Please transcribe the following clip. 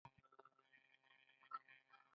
دا له خپل ځان په اړه له فکر سره هم تړاو لري.